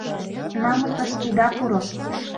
Намысыш ида пуро!